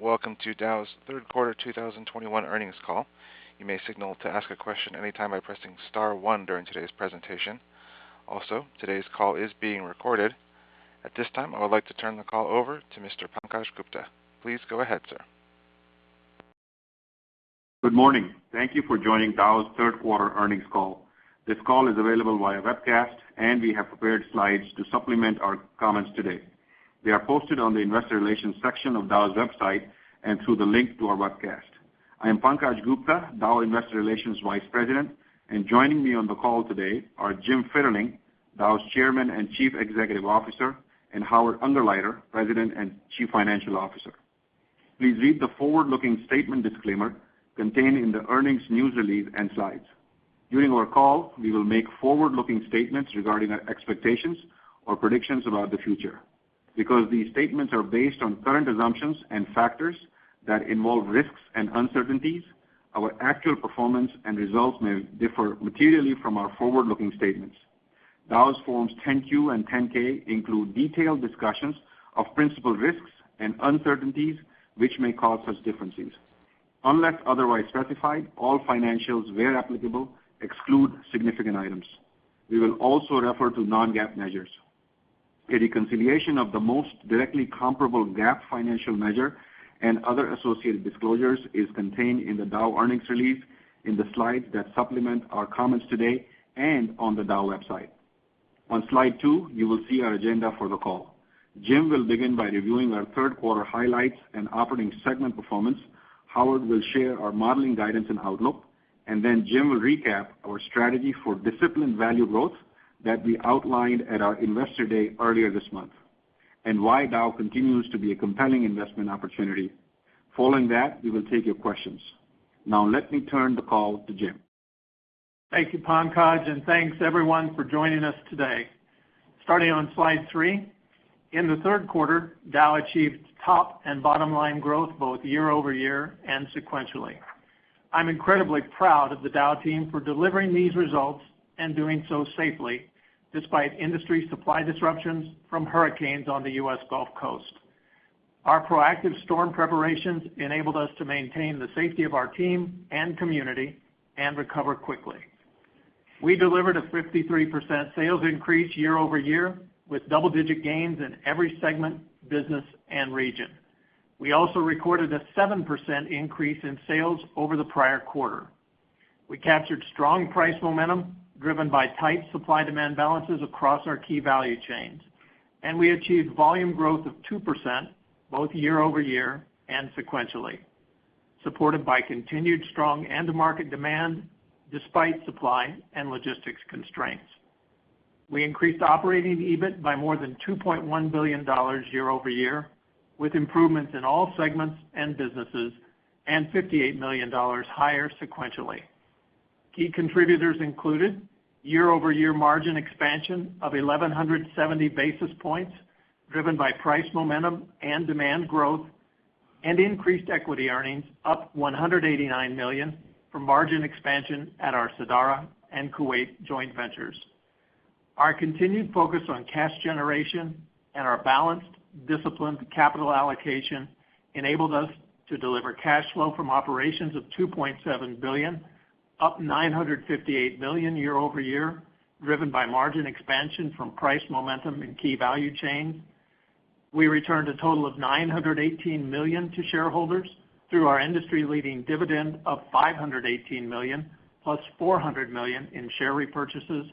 Welcome to Dow's third quarter 2021 earnings call. You may signal to ask a question anytime I press on star one during today's presentation. Also, today's call is being recorded. At this time, I would like to turn the call over to Mr. Pankaj Gupta. Please go ahead, sir. Good morning. Thank you for joining Dow's third quarter earnings call. This call is available via webcast, and we have prepared slides to supplement our comments today. They are posted on the Investor Relations section of Dow's website and through the link to our webcast. I am Pankaj Gupta, Dow Investor Relations Vice President, and joining me on the call today are Jim Fitterling, Dow's Chairman and Chief Executive Officer, and Howard Ungerleider, President and Chief Financial Officer. Please read the forward-looking statement disclaimer contained in the earnings news release and slides. During our call, we will make forward-looking statements regarding our expectations or predictions about the future. Because these statements are based on current assumptions and factors that involve risks and uncertainties, our actual performance and results may differ materially from our forward-looking statements. Dow's Forms 10-Q and Form 10-K include detailed discussions of principal risks and uncertainties which may cause such differences. Unless otherwise specified, all financials, where applicable, exclude significant items. We will also refer to non-GAAP measures. A reconciliation of the most directly comparable GAAP financial measure and other associated disclosures is contained in the Dow earnings release, in the slides that supplement our comments today, and on the Dow website. On slide two, you will see our agenda for the call. Jim will begin by reviewing our third quarter highlights and operating segment performance. Howard will share our modeling guidance and outlook. Jim will recap our strategy for disciplined value growth that we outlined at our Investor Day earlier this month, and why Dow continues to be a compelling investment opportunity. Following that, we will take your questions. Now let me turn the call to Jim. Thank you, Pankaj, and thanks, everyone, for joining us today. Starting on slide three, in the third quarter, Dow achieved top and bottom-line growth both year-over-year and sequentially. I'm incredibly proud of the Dow team for delivering these results and doing so safely, despite industry supply disruptions from hurricanes on the U.S. Gulf Coast. Our proactive storm preparations enabled us to maintain the safety of our team and community and recover quickly. We delivered a 53% sales increase year-over-year with double-digit gains in every segment, business, and region. We also recorded a 7% increase in sales over the prior quarter. We captured strong price momentum driven by tight supply-demand balances across our key value chains, and we achieved volume growth of 2% both year-over-year and sequentially, supported by continued strong end market demand despite supply and logistics constraints. We increased operating EBIT by more than $2.1 billion year-over-year, with improvements in all segments and businesses, and $58 million higher sequentially. Key contributors included year-over-year margin expansion of 1,170 basis points, driven by price momentum and demand growth, and increased equity earnings up $189 million from margin expansion at our Sadara and Kuwait joint ventures. Our continued focus on cash generation and our balanced, disciplined capital allocation enabled us to deliver cash flow from operations of $2.7 billion, up $958 million year-over-year, driven by margin expansion from price momentum in key value chains. We returned a total of $918 million to shareholders through our industry-leading dividend of $518 million, +$400 million in share repurchases.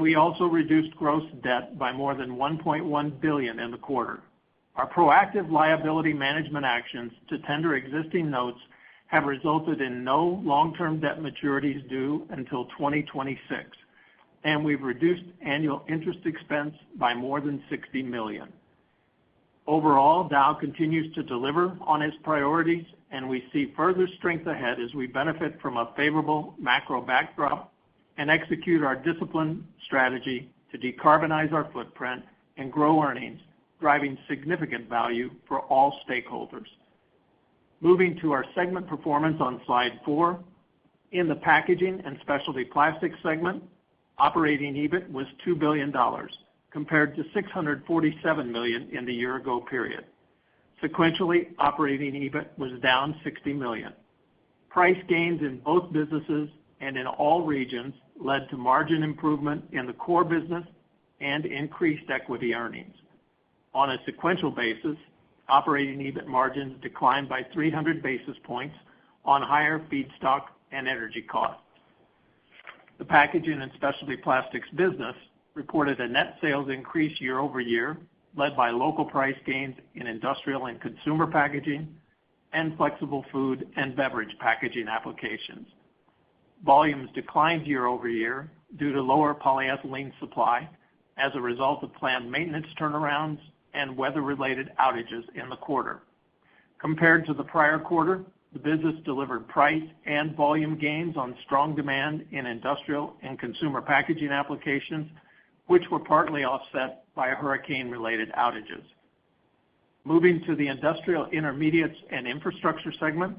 We also reduced gross debt by more than $1.1 billion in the quarter. Our proactive liability management actions to tender existing notes have resulted in no long-term debt maturities due until 2026, and we've reduced annual interest expense by more than $60 million. Overall, Dow continues to deliver on its priorities, and we see further strength ahead as we benefit from a favorable macro backdrop and execute our disciplined strategy to decarbonize our footprint and grow earnings, driving significant value for all stakeholders. Moving to our segment performance on slide four. In the Packaging & Specialty Plastics segment, operating EBIT was $2 billion compared to $647 million in the year ago period. Sequentially, operating EBIT was down $60 million. Price gains in both businesses and in all regions led to margin improvement in the core business and increased equity earnings. On a sequential basis, operating EBIT margins declined by 300 basis points on higher feedstock and energy costs. The Packaging & Specialty Plastics business reported a net sales increase year-over-year, led by local price gains in industrial and consumer packaging and flexible food and beverage packaging applications. Volumes declined year-over-year due to lower polyethylene supply as a result of planned maintenance turnarounds and weather-related outages in the quarter. Compared to the prior quarter, the business delivered price and volume gains on strong demand in industrial and consumer packaging applications, which were partly offset by hurricane-related outages. Moving to the Industrial Intermediates & Infrastructure segment.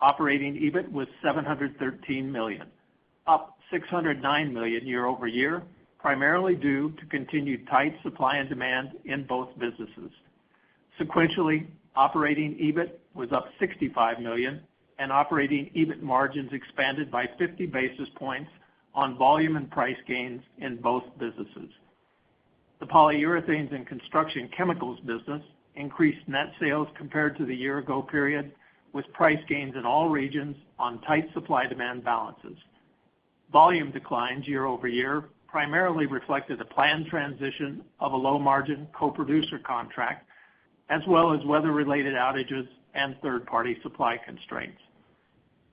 Operating EBIT was $713 million, up $609 million year-over-year, primarily due to continued tight supply and demand in both businesses. Sequentially, operating EBIT was up $65 million, and operating EBIT margins expanded by 50 basis points on volume and price gains in both businesses. The Polyurethanes & Construction Chemicals business increased net sales compared to the year-ago period, with price gains in all regions on tight supply-demand balances. Volume declines year-over-year primarily reflected the planned transition of a low-margin co-producer contract, as well as weather-related outages and third-party supply constraints.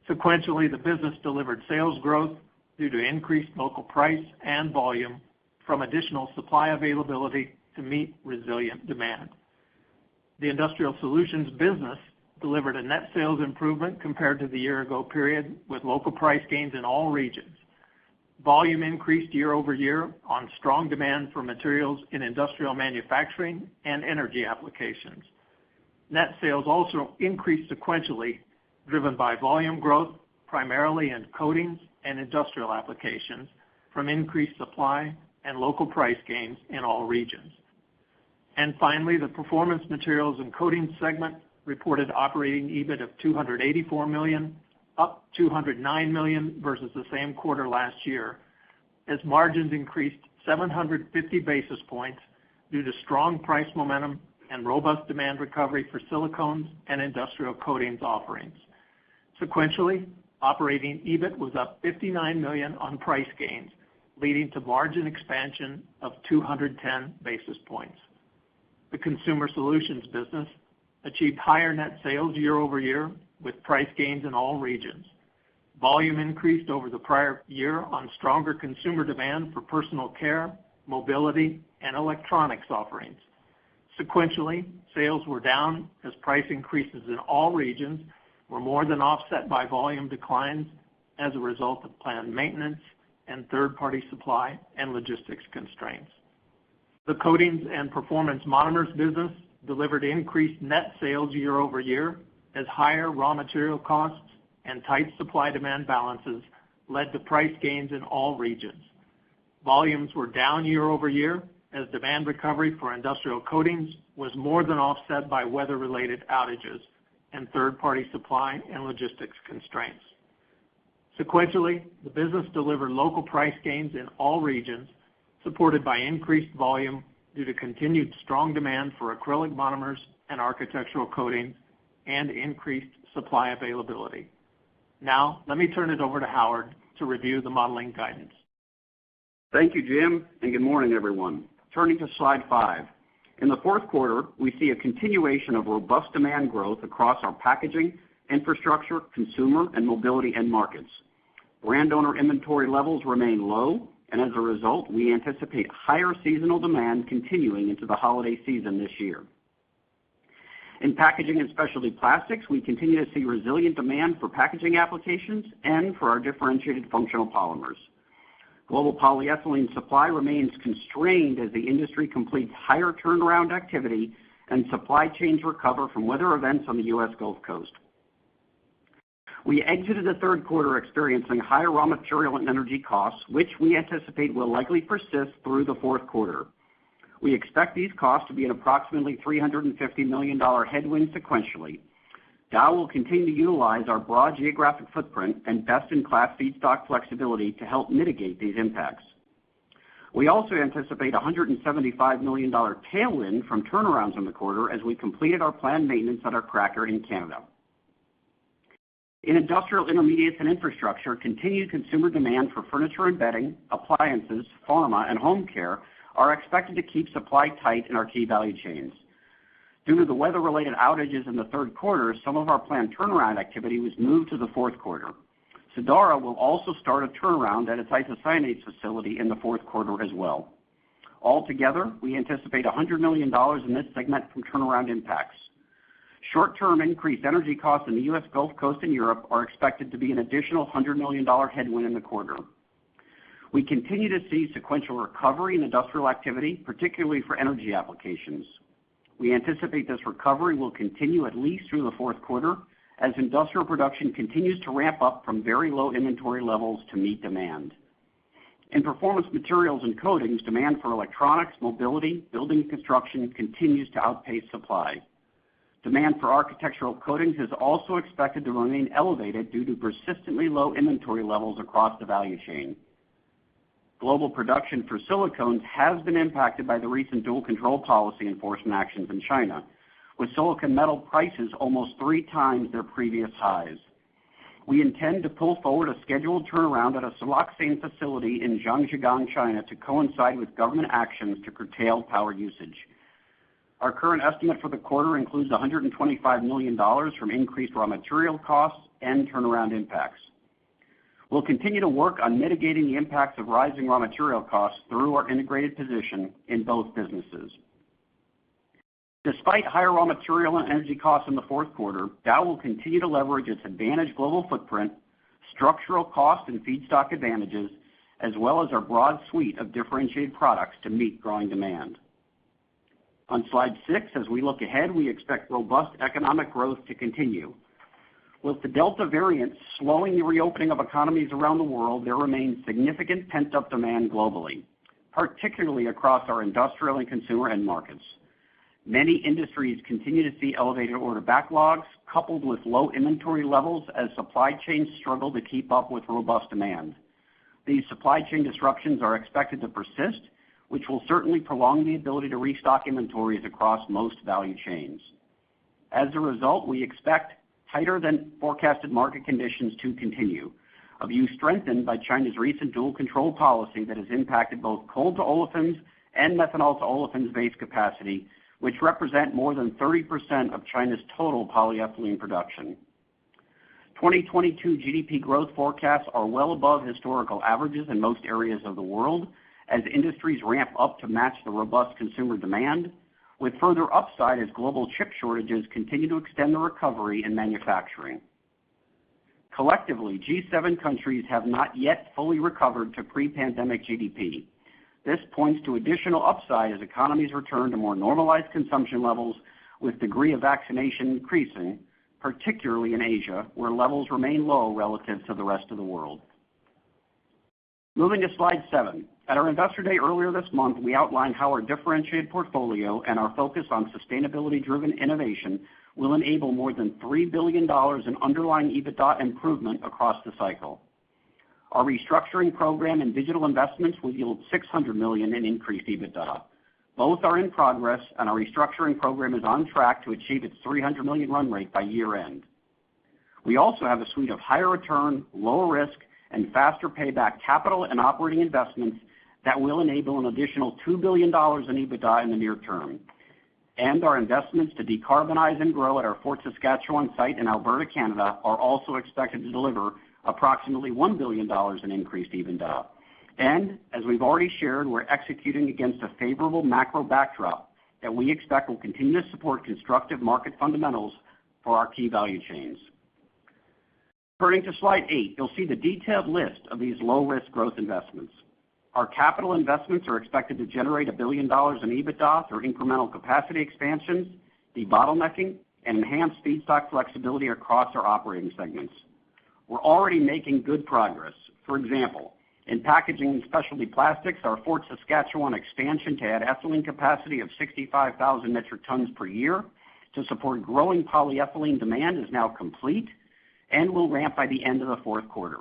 Sequentially, the business delivered sales growth due to increased local price and volume from additional supply availability to meet resilient demand. The Industrial Solutions business delivered a net sales improvement compared to the year-ago period, with local price gains in all regions. Volume increased year-over-year on strong demand for materials in industrial manufacturing and energy applications. Net sales also increased sequentially, driven by volume growth, primarily in coatings and industrial applications from increased supply and local price gains in all regions. Finally, the Performance Materials & Coatings segment reported operating EBIT of $284 million, up $209 million versus the same quarter last year, as margins increased 750 basis points due to strong price momentum and robust demand recovery for silicones and industrial coatings offerings. Sequentially, operating EBIT was up $59 million on price gains, leading to margin expansion of 210 basis points. The Consumer Solutions business achieved higher net sales year-over-year with price gains in all regions. Volume increased over the prior year on stronger consumer demand for personal care, mobility, and electronics offerings. Sequentially, sales were down as price increases in all regions were more than offset by volume declines as a result of planned maintenance and third-party supply and logistics constraints. The Coatings & Performance Monomers business delivered increased net sales year-over-year as higher raw material costs and tight supply-demand balances led to price gains in all regions. Volumes were down year-over-year as demand recovery for industrial coatings was more than offset by weather-related outages and third-party supply and logistics constraints. Sequentially, the business delivered local price gains in all regions, supported by increased volume due to continued strong demand for acrylic monomers and architectural coatings and increased supply availability. Now, let me turn it over to Howard to review the modeling guidance. Thank you, Jim, and good morning, everyone. Turning to slide five. In the fourth quarter, we see a continuation of robust demand growth across our packaging, infrastructure, consumer, and mobility end markets. Brand owner inventory levels remain low. As a result, we anticipate higher seasonal demand continuing into the holiday season this year. In Packaging & Specialty Plastics, we continue to see resilient demand for packaging applications and for our differentiated functional polymers. Global polyethylene supply remains constrained as the industry completes higher turnaround activity and supply chains recover from weather events on the U.S. Gulf Coast. We exited the third quarter experiencing higher raw material and energy costs, which we anticipate will likely persist through the fourth quarter. We expect these costs to be an approximately $350 million headwind sequentially. Dow will continue to utilize our broad geographic footprint and best-in-class feedstock flexibility to help mitigate these impacts. We also anticipate $175 million tailwind from turnarounds in the quarter as we completed our planned maintenance at our cracker in Canada. In Industrial Intermediates & Infrastructure, continued consumer demand for furniture and bedding, appliances, pharma, and home care are expected to keep supply tight in our key value chains. Due to the weather-related outages in the third quarter, some of our planned turnaround activity was moved to the fourth quarter. Sadara will also start a turnaround at its isocyanates facility in the fourth quarter as well. Altogether, we anticipate $100 million in this segment from turnaround impacts. Short-term increased energy costs in the U.S. Gulf Coast and Europe are expected to be an additional $100 million headwind in the quarter. We continue to see sequential recovery in industrial activity, particularly for energy applications. We anticipate this recovery will continue at least through the fourth quarter as industrial production continues to ramp up from very low inventory levels to meet demand. In Performance Materials & Coatings, demand for electronics, mobility, building construction continues to outpace supply. Demand for architectural coatings is also expected to remain elevated due to persistently low inventory levels across the value chain. Global production for silicones has been impacted by the recent dual control policy enforcement actions in China, with silicon metal prices almost 3x their previous highs. We intend to pull forward a scheduled turnaround at a siloxane facility in Zhangjiagang, China, to coincide with government actions to curtail power usage. Our current estimate for the quarter includes $125 million from increased raw material costs and turnaround impacts. We'll continue to work on mitigating the impacts of rising raw material costs through our integrated position in both businesses. Despite higher raw material and energy costs in the fourth quarter, Dow will continue to leverage its advantaged global footprint, structural cost and feedstock advantages, as well as our broad suite of differentiated products to meet growing demand. On slide six, as we look ahead, we expect robust economic growth to continue. With the Delta variant slowing the reopening of economies around the world, there remains significant pent-up demand globally, particularly across our industrial and consumer end markets. Many industries continue to see elevated order backlogs coupled with low inventory levels as supply chains struggle to keep up with robust demand. These supply chain disruptions are expected to persist, which will certainly prolong the ability to restock inventories across most value chains. As a result, we expect tighter than forecasted market conditions to continue, a view strengthened by China's recent dual control policy that has impacted both coal to olefins and methanol to olefins-based capacity, which represent more than 30% of China's total polyethylene production. 2022 GDP growth forecasts are well above historical averages in most areas of the world as industries ramp up to match the robust consumer demand, with further upside as global chip shortages continue to extend the recovery in manufacturing. Collectively, G7 countries have not yet fully recovered to pre-pandemic GDP. This points to additional upside as economies return to more normalized consumption levels with degree of vaccination increasing, particularly in Asia, where levels remain low relative to the rest of the world. Moving to slide seven. At our investor day earlier this month, we outlined how our differentiated portfolio and our focus on sustainability-driven innovation will enable more than $3 billion in underlying EBITDA improvement across the cycle. Our restructuring program and digital investments will yield $600 million in increased EBITDA. Both are in progress, and our restructuring program is on track to achieve its $300 million run rate by year-end. We also have a suite of higher return, lower risk, and faster payback capital and operating investments that will enable an additional $2 billion in EBITDA in the near term. Our investments to decarbonize and grow at our Fort Saskatchewan site in Alberta, Canada, are also expected to deliver approximately $1 billion in increased EBITDA. As we've already shared, we're executing against a favorable macro backdrop that we expect will continue to support constructive market fundamentals for our key value chains. Turning to slide eight, you'll see the detailed list of these low-risk growth investments. Our capital investments are expected to generate $1 billion in EBITDA through incremental capacity expansions, debottlenecking, and enhanced feedstock flexibility across our operating segments. We're already making good progress. For example, in Packaging & Specialty Plastics, our Fort Saskatchewan expansion to add ethylene capacity of 65,000 metric tons per year to support growing polyethylene demand is now complete and will ramp by the end of the fourth quarter.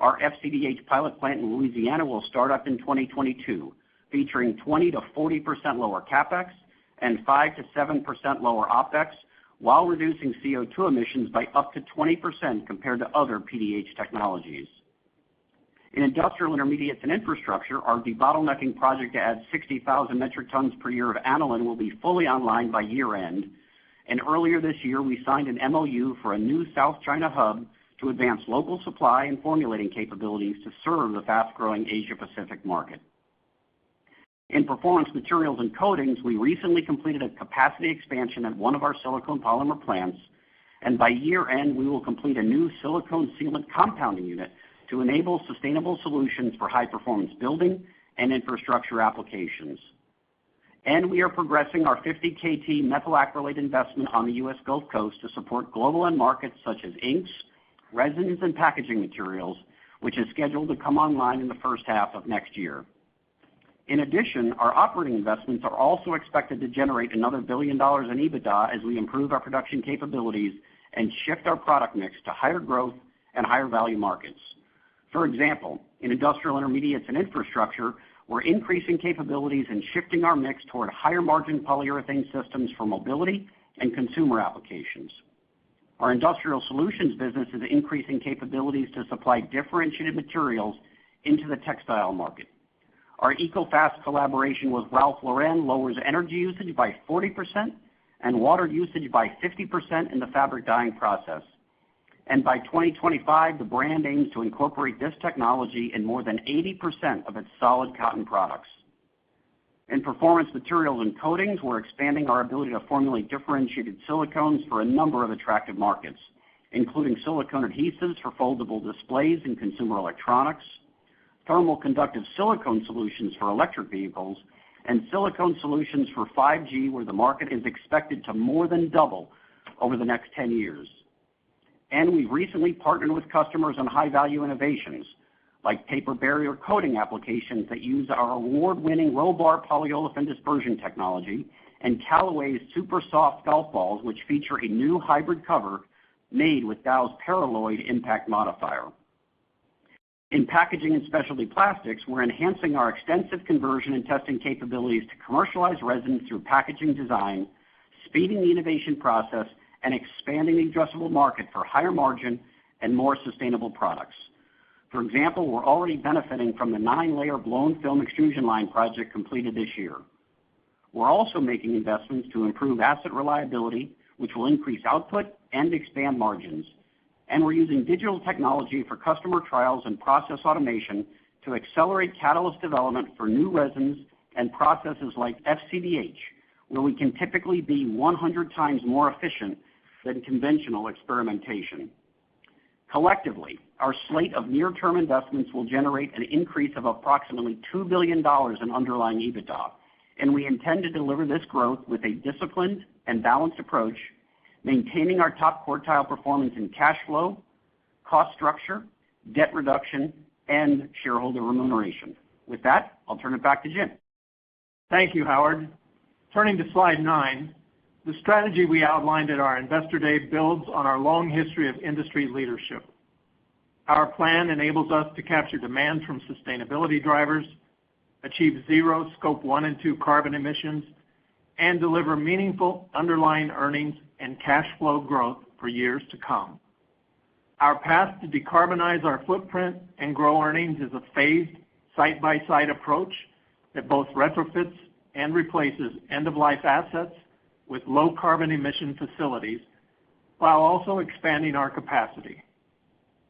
Our FCDH pilot plant in Louisiana will start up in 2022, featuring 20%-40% lower CapEx and 5%-7% lower OpEx while reducing CO₂ emissions by up to 20% compared to other PDH technologies. In Industrial Intermediates & Infrastructure, our debottlenecking project to add 60,000 metric tons per year of aniline will be fully online by year-end. Earlier this year, we signed an MOU for a new South China hub to advance local supply and formulating capabilities to serve the fast-growing Asia Pacific market. In Performance Materials & Coatings, we recently completed a capacity expansion at one of our silicone polymer plants, and by year-end, we will complete a new silicone sealant compounding unit to enable sustainable solutions for high-performance building and infrastructure applications. We are progressing our 50 KT methyl acrylate investment on the U.S. Gulf Coast to support global end markets such as inks, resins, and packaging materials, which is scheduled to come online in the first half of next year. In addition, our operating investments are also expected to generate another $1 billion in EBITDA as we improve our production capabilities and shift our product mix to higher growth and higher value markets. For example, in Industrial Intermediates & Infrastructure, we're increasing capabilities and shifting our mix toward higher margin polyurethane systems for mobility and consumer applications. Our Industrial Solutions business is increasing capabilities to supply differentiated materials into the textile market. Our ECOFAST collaboration with Ralph Lauren lowers energy usage by 40% and water usage by 50% in the fabric dyeing process. By 2025, the brand aims to incorporate this technology in more than 80% of its solid cotton products. In Performance Materials & Coatings, we're expanding our ability to formulate differentiated silicones for a number of attractive markets, including silicone adhesives for foldable displays in consumer electronics, thermal conductive silicone solutions for electric vehicles, and silicone solutions for 5G, where the market is expected to more than double over the next 10 years. We've recently partnered with customers on high-value innovations like paper barrier coating applications that use our award-winning RHOBARR polyolefin dispersion technology and Callaway's Supersoft golf balls, which feature a new hybrid cover made with Dow's PARALOID impact modifier. In Packaging & Specialty Plastics, we're enhancing our extensive conversion and testing capabilities to commercialize resins through packaging design, speeding the innovation process, and expanding the addressable market for higher margin and more sustainable products. For example, we're already benefiting from the nine-layer blown film extrusion line project completed this year. We're also making investments to improve asset reliability, which will increase output and expand margins. We're using digital technology for customer trials and process automation to accelerate catalyst development for new resins and processes like FCDH, where we can typically be 100x more efficient than conventional experimentation. Collectively, our slate of near-term investments will generate an increase of approximately $2 billion in underlying EBITDA. We intend to deliver this growth with a disciplined and balanced approach, maintaining our top quartile performance in cash flow, cost structure, debt reduction, and shareholder remuneration. With that, I'll turn it back to Jim. Thank you, Howard. Turning to slide nine, the strategy we outlined at our Investor Day builds on our long history of industry leadership. Our plan enables us to capture demand from sustainability drivers, achieve zero Scope 1 and Scope 2 carbon emissions, and deliver meaningful underlying earnings and cash flow growth for years to come. Our path to decarbonize our footprint and grow earnings is a phased, site-by-site approach that both retrofits and replaces end-of-life assets with low carbon emission facilities while also expanding our capacity.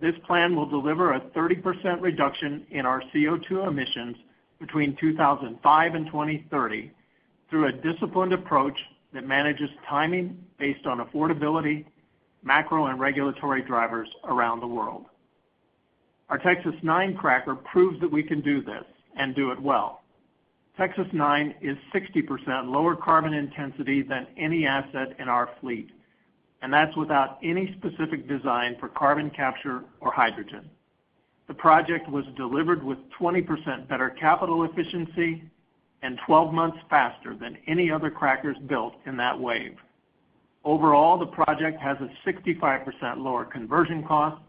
This plan will deliver a 30% reduction in our CO2 emissions between 2005 and 2030 through a disciplined approach that manages timing based on affordability, macro and regulatory drivers around the world. Our Texas-9 cracker proves that we can do this and do it well. Texas-9 is 60% lower carbon intensity than any asset in our fleet. That's without any specific design for carbon capture or hydrogen. The project was delivered with 20% better capital efficiency and 12 months faster than any other crackers built in that wave. Overall, the project has a 65% lower conversion cost,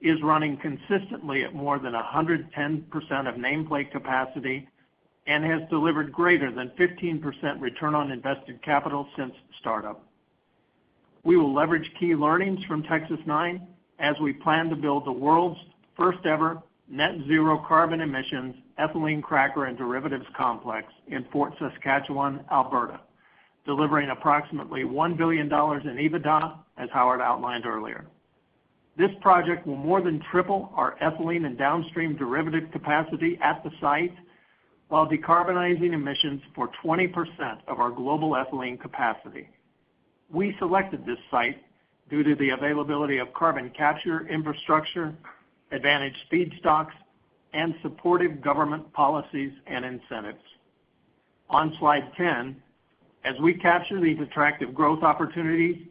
is running consistently at more than 110% of nameplate capacity, and has delivered greater than 15% return on invested capital since startup. We will leverage key learnings from Texas-9 as we plan to build the world's first ever net zero carbon emissions ethylene cracker and derivatives complex in Fort Saskatchewan, Alberta, delivering approximately $1 billion in EBITDA, as Howard outlined earlier. This project will more than triple our ethylene and downstream derivative capacity at the site while decarbonizing emissions for 20% of our global ethylene capacity. We selected this site due to the availability of carbon capture infrastructure, advantage feedstocks, and supportive government policies and incentives. On slide 10, as we capture these attractive growth opportunities,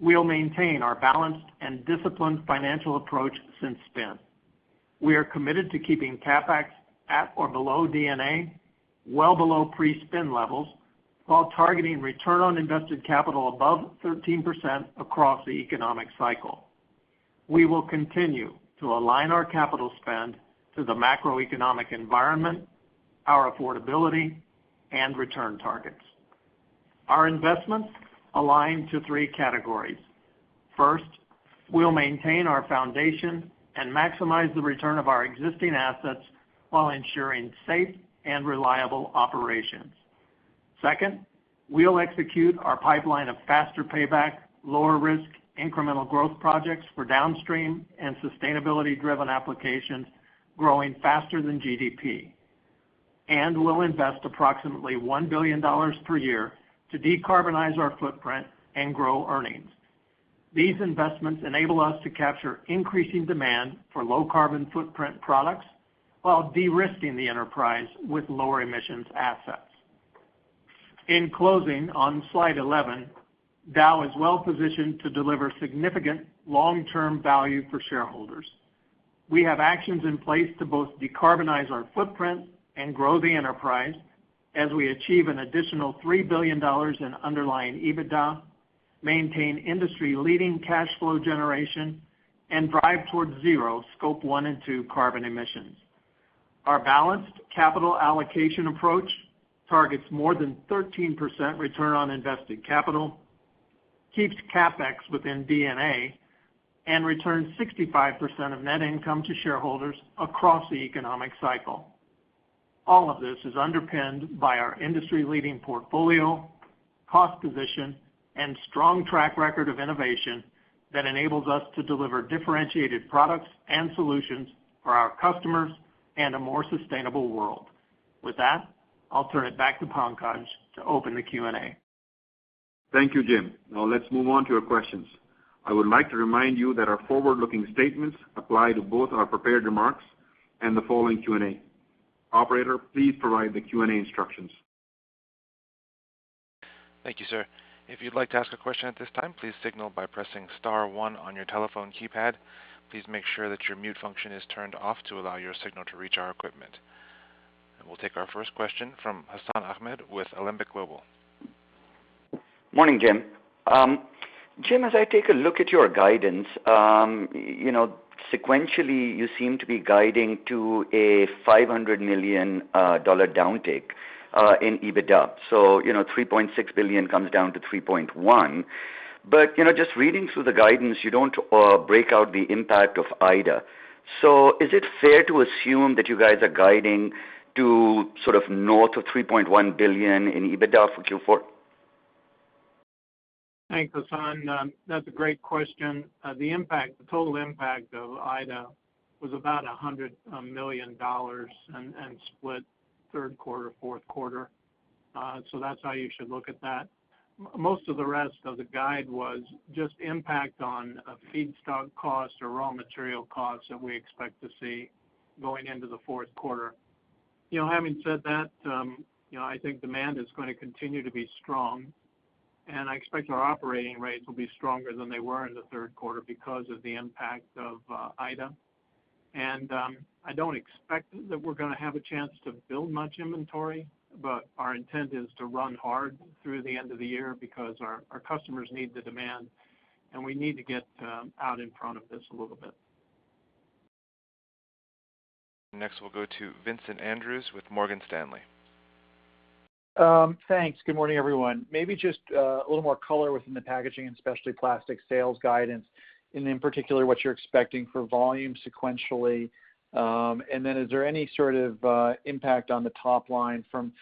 we'll maintain our balanced and disciplined financial approach since spin. We are committed to keeping CapEx at or below D&A, well below pre-spin levels while targeting return on invested capital above 13% across the economic cycle. We will continue to align our capital spend to the macroeconomic environment, our affordability, and return targets. Our investments align to three categories. First, we'll maintain our foundation and maximize the return of our existing assets while ensuring safe and reliable operations. Second, we'll execute our pipeline of faster payback, lower risk, incremental growth projects for downstream and sustainability driven applications growing faster than GDP. We'll invest approximately $1 billion per year to decarbonize our footprint and grow earnings. These investments enable us to capture increasing demand for low carbon footprint products while de-risking the enterprise with lower emissions assets. In closing, on slide 11, Dow is well positioned to deliver significant long-term value for shareholders. We have actions in place to both decarbonize our footprint and grow the enterprise as we achieve an additional $3 billion in underlying EBITDA, maintain industry leading cash flow generation, and drive towards zero Scope 1 and Scope 2 carbon emissions. Our balanced capital allocation approach targets more than 13% return on invested capital, keeps CapEx within D&A, and returns 65% of net income to shareholders across the economic cycle. All of this is underpinned by our industry leading portfolio, cost position, and strong track record of innovation that enables us to deliver differentiated products and solutions for our customers and a more sustainable world. With that, I'll turn it back to Pankaj to open the Q&A. Thank you, Jim. Let's move on to your questions. I would like to remind you that our forward-looking statements apply to both our prepared remarks and the following Q&A. Operator, please provide the Q&A instructions. Thank you, sir. If you'd like to ask a question at this time, please signal by pressing star one on your telephone keypad. Please make sure that your mute function is turned off to allow your signal to reach our equipment. We'll take our first question from Hassan Ahmed with Alembic Global. Morning, Jim. Jim, as I take a look at your guidance, sequentially, you seem to be guiding to a $500 million downtick, in EBITDA. $3.6 billion comes down to $3.1. Just reading through the guidance, you don't break out the impact of Ida. Is it fair to assume that you guys are guiding to sort of north of $3.1 billion in EBITDA for Q4? Thanks, Hassan. That's a great question. The total impact of Ida was about $100 million and split third quarter, fourth quarter. That's how you should look at that. Most of the rest of the guide was just impact on feedstock costs or raw material costs that we expect to see going into the fourth quarter. Having said that, I think demand is going to continue to be strong, and I expect our operating rates will be stronger than they were in the third quarter because of the impact of Ida. I don't expect that we're going to have a chance to build much inventory, but our intent is to run hard through the end of the year because our customers need the demand, and we need to get out in front of this a little bit. Next, we'll go to Vincent Andrews with Morgan Stanley. Thanks. Good morning, everyone. Maybe just a little more color within the Packaging & Specialty Plastics sales guidance, and in particular, what you're expecting for volume sequentially. Then is there any sort of impact on the top line from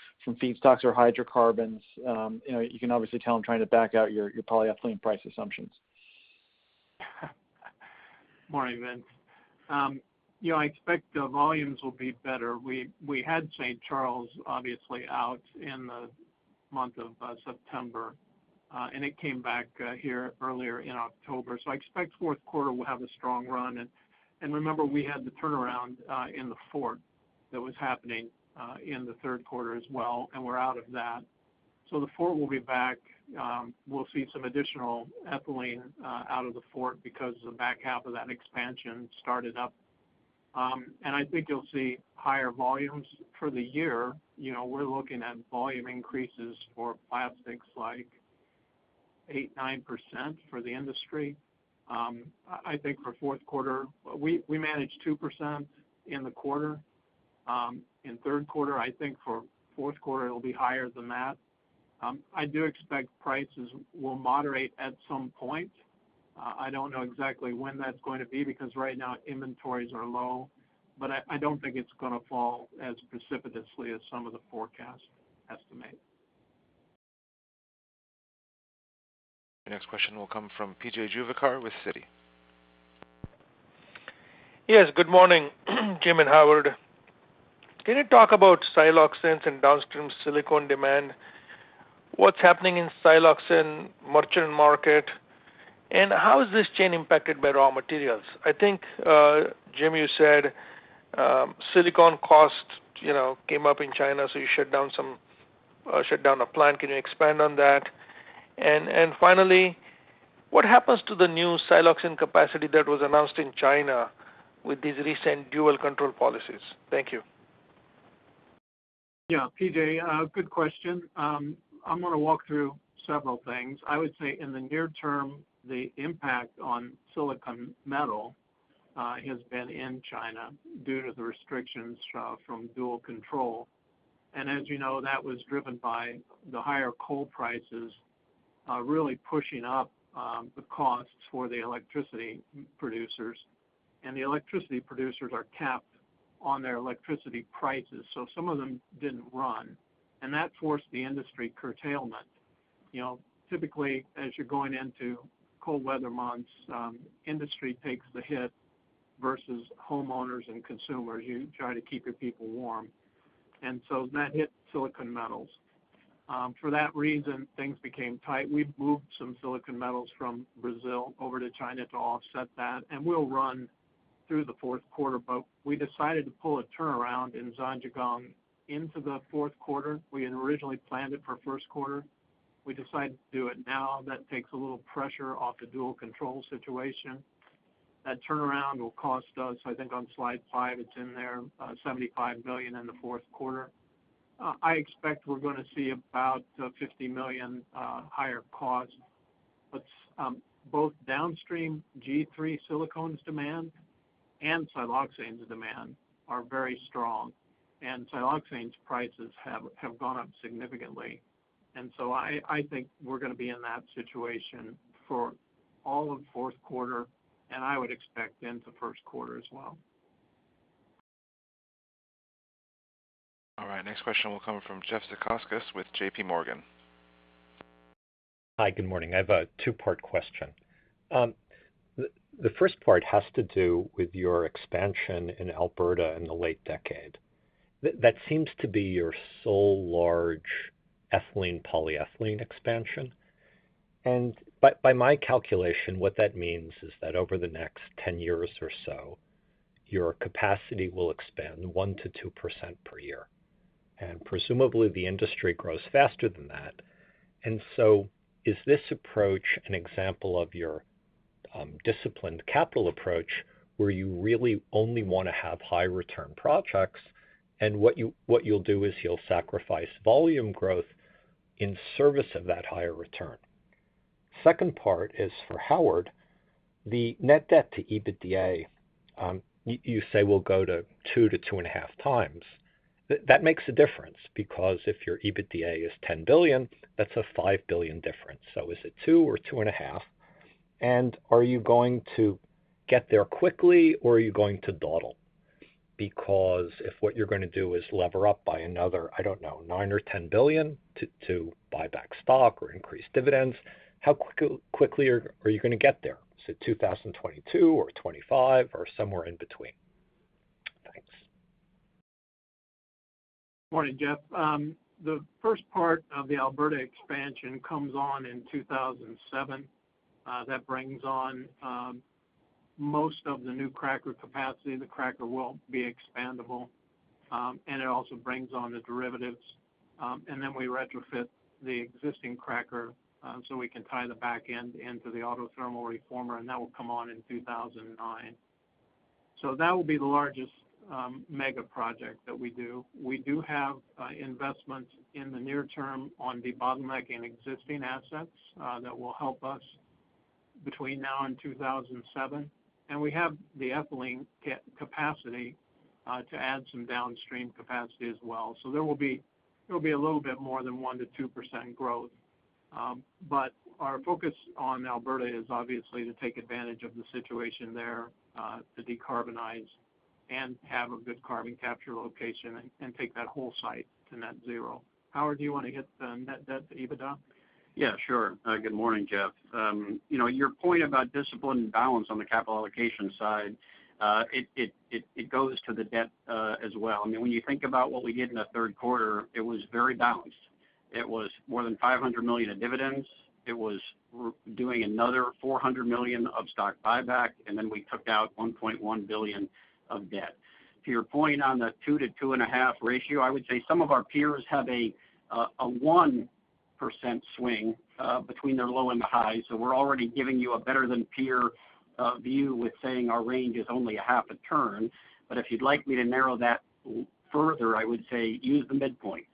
feedstocks or hydrocarbons? You can obviously tell I'm trying to back out your polyethylene price assumptions. Morning, Vince. I expect the volumes will be better. We had St. Charles obviously out in the month of September. It came back here earlier in October. I expect fourth quarter will have a strong run. Remember we had the turnaround in the fourth that was happening in the third quarter as well, and we're out of that. The fourth will be back. We'll see some additional ethylene out of the fourth because the back half of that expansion started up. I think you'll see higher volumes for the year. We're looking at volume increases for plastics like 8%-9% for the industry. I think for fourth quarter, we managed 2% in the quarter. In third quarter, I think for fourth quarter, it'll be higher than that. I do expect prices will moderate at some point. I don't know exactly when that's going to be, because right now inventories are low. I don't think it's going to fall as precipitously as some of the forecast estimate. The next question will come from P.J. Juvekar with Citi. Yes. Good morning, Jim and Howard. Can you talk about siloxanes and downstream silicone demand? What's happening in siloxane merchant market, and how is this chain impacted by raw materials? I think Jim, you said silicone cost came up in China, so you shut down a plant. Can you expand on that? Finally, what happens to the new siloxane capacity that was announced in China with these recent dual control policies? Thank you. Yeah, P.J., good question. I'm going to walk through several things. I would say in the near term, the impact on silicon metal has been in China due to the restrictions from dual control. As you know, that was driven by the higher coal prices really pushing up the costs for the electricity producers. The electricity producers are capped on their electricity prices. Some of them didn't run, and that forced the industry curtailment. Typically, as you're going into cold weather months, industry takes the hit versus homeowners and consumers. You try to keep your people warm. That hit silicon metal. For that reason, things became tight. We moved some silicon metal from Brazil over to China to offset that, and we'll run through the fourth quarter. We decided to pull a turnaround in Zhangjiagang into the fourth quarter. We had originally planned it for first quarter. We decided to do it now. That takes a little pressure off the dual control situation. That turnaround will cost us, I think on slide five, it's in there, $75 million in the fourth quarter. I expect we're going to see about $50 million higher cost. Both downstream G3 silicones demand and siloxanes demand are very strong. Siloxanes prices have gone up significantly. I think we're going to be in that situation for all of fourth quarter, and I would expect into first quarter as well. All right, next question will come from Jeff Zekauskas with JPMorgan. Hi, good morning. I have a two-part question. The first part has to do with your expansion in Alberta in the late decade. That seems to be your sole large ethylene/polyethylene expansion. By my calculation, what that means is that over the next 10 years or so, your capacity will expand 1%-2% per year. Presumably, the industry grows faster than that. Is this approach an example of your disciplined capital approach where you really only want to have high return projects and what you'll do is you'll sacrifice volume growth in service of that higher return? Second part is for Howard. The net debt to EBITDA you say will go to 2x-2.5x. That makes a difference because if your EBITDA is $10 billion, that's a $5 billion difference. Is it 2x or 2.5x? Are you going to get there quickly or are you going to dawdle? If what you're going to do is lever up by another, I don't know, $9 billion or $10 billion to buy back stock or increase dividends, how quickly are you going to get there? Is it 2022 or 2025 or somewhere in between? Thanks. Morning, Jeff. The first part of the Alberta expansion comes on in 2027. That brings on most of the new cracker capacity. The cracker will be expandable. It also brings on the derivatives. We retrofit the existing cracker, so we can tie the back end into the autothermal reformer, and that will come on in 2029. That will be the largest mega project that we do. We do have investments in the near term on debottlenecking existing assets that will help us between now and 2027. We have the ethylene capacity to add some downstream capacity as well. There will be a little bit more than 1%-2% growth. Our focus on Alberta is obviously to take advantage of the situation there, to decarbonize and have a good carbon capture location and take that whole site to net zero. Howard, do you want to hit the net debt to EBITDA? Yeah, sure. Good morning, Jeff. Your point about discipline and balance on the capital allocation side, it goes to the debt as well. When you think about what we did in the third quarter, it was very balanced. It was more than $500 million of dividends. It was doing another $400 million of stock buyback, and then we took out $1.1 billion of debt. To your point on the 2x-2.5x ratio, I would say some of our peers have a 1% swing between their low and the high. We're already giving you a better than peer view with saying our range is only a 0.5x turn. If you'd like me to narrow that further, I would say use the midpoint.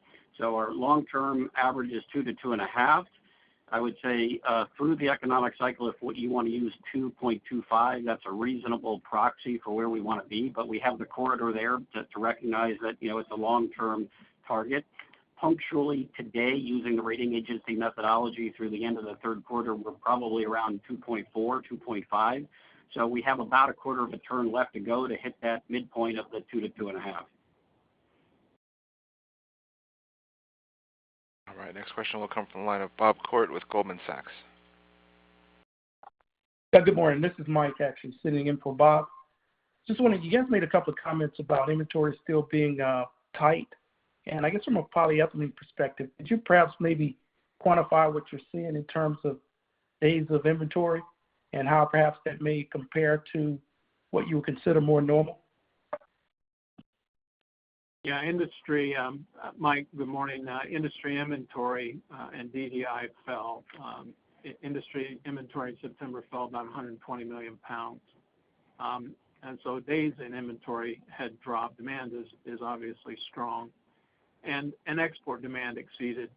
Our long term average is 2x-2.5x. I would say through the economic cycle, if what you want to use 2.25x, that's a reasonable proxy for where we want to be, but we have the corridor there to recognize that it's a long-term target. Punctually today, using the rating agency methodology through the end of the third quarter, we're probably around 2.4x, 2.5x. We have about a quarter of a turn left to go to hit that midpoint of the 2x-2.5x. All right. Next question will come from the line of Bob Koort with Goldman Sachs. Yeah, good morning. This is Mike actually sitting in for Bob. Just wondering, you guys made a couple of comments about inventory still being tight, and I guess from a polyethylene perspective, could you perhaps maybe quantify what you're seeing in terms of days of inventory and how perhaps that may compare to what you would consider more normal? Yeah. Mike, good morning. Industry inventory and DDI fell. Industry inventory in September fell about 120 million pounds. Days in inventory had dropped. Demand is obviously strong. Export demand exceeded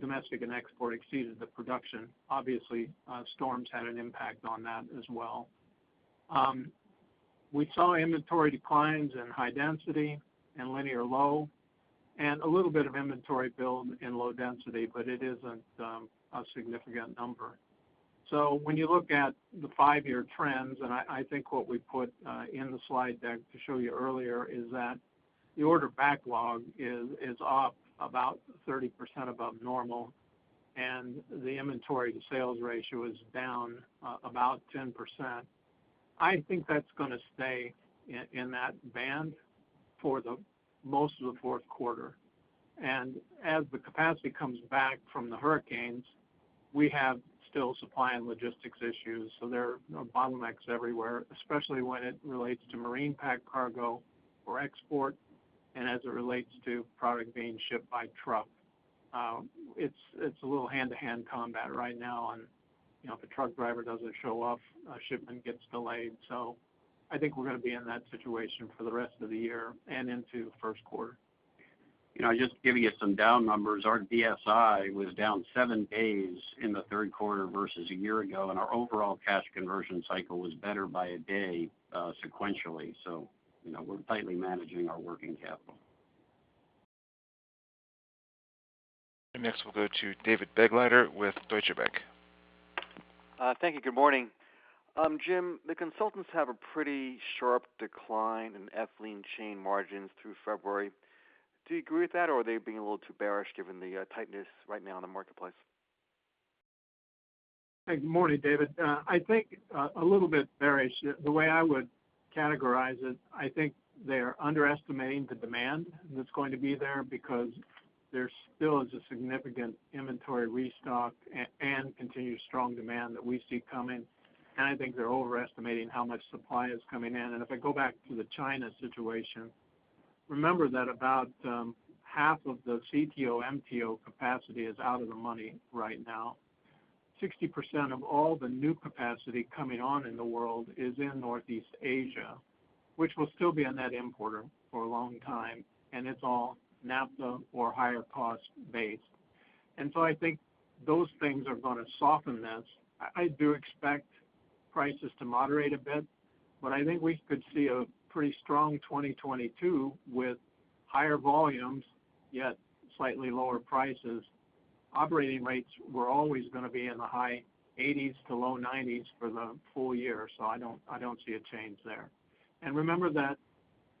domestic, and export exceeded the production. Obviously, storms had an impact on that as well. We saw inventory declines in high density and linear low and a little bit of inventory build in low density, but it isn't a significant number. When you look at the five-year trends, and I think what we put in the slide deck to show you earlier is that the order backlog is up about 30% above normal, and the inventory to sales ratio is down about 10%. I think that's going to stay in that band for the most of the fourth quarter. As the capacity comes back from the hurricanes, we have still supply and logistics issues. There are bottlenecks everywhere, especially when it relates to marine packed cargo for export and as it relates to product being shipped by truck. It's a little hand-to-hand combat right now. If a truck driver doesn't show up, a shipment gets delayed. I think we're going to be in that situation for the rest of the year and into first quarter. Just giving you some down numbers. Our DSI was down seven days in the third quarter versus a year ago, and our overall cash conversion cycle was better by a day sequentially. We're tightly managing our working capital. Next, we'll go to David Begleiter with Deutsche Bank. Thank you. Good morning. Jim, the consultants have a pretty sharp decline in ethylene chain margins through February. Do you agree with that, or are they being a little too bearish given the tightness right now in the marketplace? Good morning, David. I think a little bit bearish. The way I would categorize it, I think they're underestimating the demand that's going to be there because there still is a significant inventory restock and continued strong demand that we see coming. I think they're overestimating how much supply is coming in. If I go back to the China situation, remember that about half of the CTO, MTO capacity is out of the money right now. 60% of all the new capacity coming on in the world is in Northeast Asia, which will still be a net importer for a long time, and it's all naphtha or higher cost base. I think those things are going to soften this. I do expect prices to moderate a bit, but I think we could see a pretty strong 2022 with higher volumes, yet slightly lower prices. Operating rates were always going to be in the high 80s to low 90s for the full year. I don't see a change there. Remember that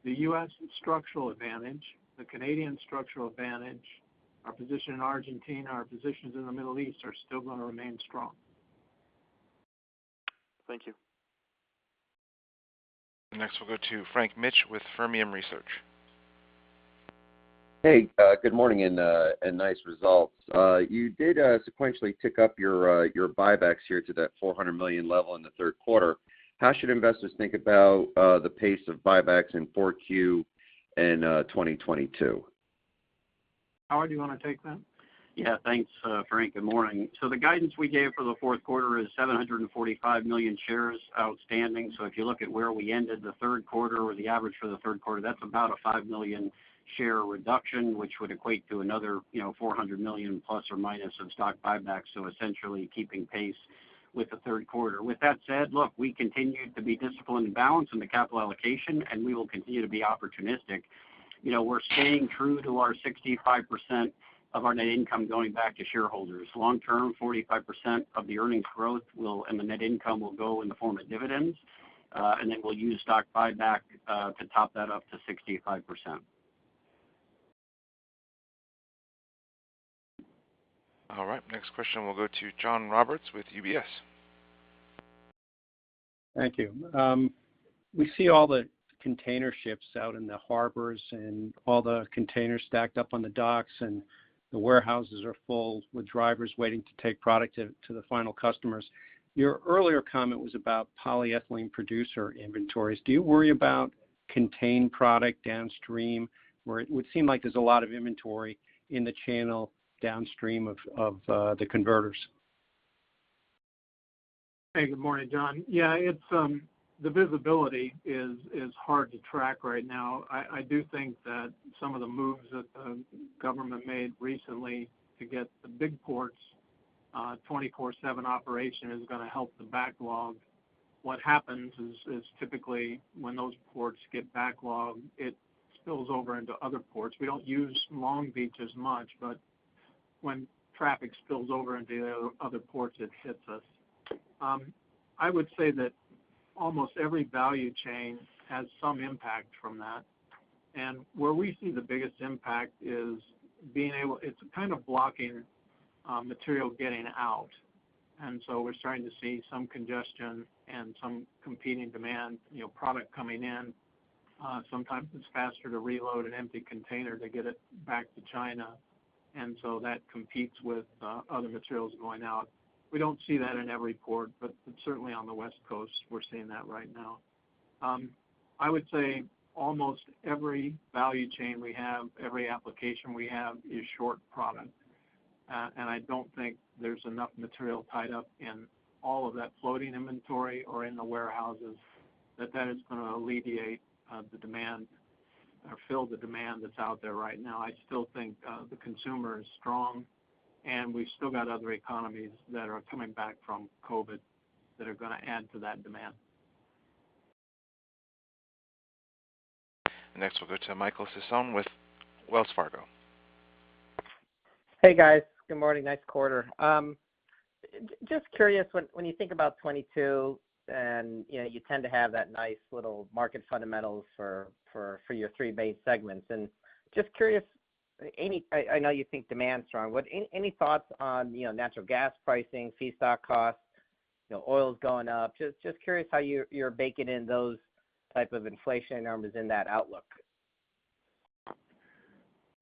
the U.S. structural advantage, the Canadian structural advantage, our position in Argentina, our positions in the Middle East are still going to remain strong. Thank you. Next, we'll go to Frank Mitsch with Fermium Research. Hey, good morning, and nice results. You did sequentially tick up your buybacks here to that $400 million level in the third quarter. How should investors think about the pace of buybacks in 4Q and 2022? Howard, do you want to take that? Yeah. Thanks, Frank. Good morning. The guidance we gave for the fourth quarter is 745 million shares outstanding. If you look at where we ended the third quarter or the average for the third quarter, that's about a 5 million share reduction, which would equate to another 400 million ± of stock buybacks. Essentially keeping pace with the third quarter. With that said, look, we continue to be disciplined and balanced in the capital allocation, and we will continue to be opportunistic. We're staying true to our 65% of our net income going back to shareholders. Long term, 45% of the earnings growth and the net income will go in the form of dividends. Then we'll use stock buyback to top that up to 65%. All right. Next question will go to John Roberts with UBS. Thank you. We see all the container ships out in the harbors and all the containers stacked up on the docks, and the warehouses are full with drivers waiting to take product to the final customers. Your earlier comment was about polyethylene producer inventories. Do you worry about contained product downstream, where it would seem like there's a lot of inventory in the channel downstream of the converters? Hey, good morning, John. Yeah. The visibility is hard to track right now. I do think that some of the moves that the government made recently to get the big ports 24/7 operation is going to help the backlog. What happens is typically when those ports get backlogged, it spills over into other ports. We don't use Long Beach as much, but when traffic spills over into the other ports, it hits us. I would say that almost every value chain has some impact from that. Where we see the biggest impact is it's kind of blocking material getting out. We're starting to see some congestion and some competing demand, product coming in. Sometimes it's faster to reload an empty container to get it back to China. That competes with other materials going out. We don't see that in every port, but certainly on the West Coast, we're seeing that right now. I would say almost every value chain we have, every application we have is short product. I don't think there's enough material tied up in all of that floating inventory or in the warehouses that is going to alleviate the demand or fill the demand that's out there right now. I still think the consumer is strong, and we've still got other economies that are coming back from COVID that are going to add to that demand. Next, we'll go to Michael Sison with Wells Fargo. Hey, guys. Good morning. Nice quarter. Just curious, when you think about 2022, and you tend to have that nice little market fundamentals for your three base segments. Just curious, I know you think demand's strong. Any thoughts on natural gas pricing, feedstock costs? Oil's going up. Just curious how you're baking in those type of inflation numbers in that outlook.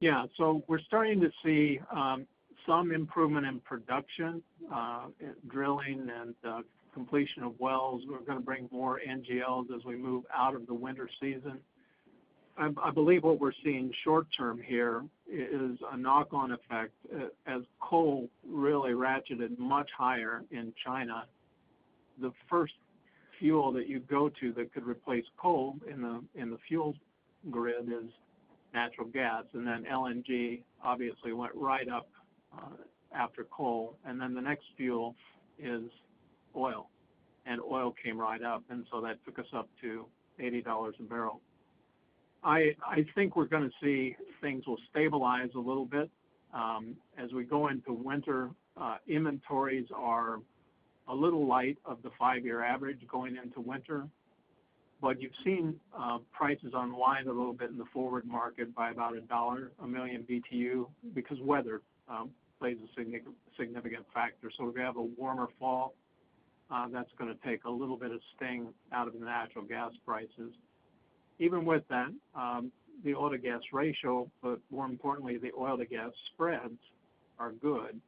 Yeah. We're starting to see some improvement in production, drilling, and completion of wells. We're going to bring more NGLs as we move out of the winter season. I believe what we're seeing short term here is a knock-on effect as coal really ratcheted much higher in China. The first fuel that you go to that could replace coal in the fuel grid is natural gas, and then LNG obviously went right up after coal, and then the next fuel is oil, and oil came right up, and so that took us up to $80 a bbl. I think we're going to see things will stabilize a little bit. As we go into winter, inventories are a little light of the five-year average going into winter. You've seen prices unwind a little bit in the forward market by about $1 a million BTU because weather plays a significant factor. If we have a warmer fall, that's going to take a little bit of sting out of the natural gas prices. Even with that, the oil to gas ratio, but more importantly, the oil to gas spreads are good,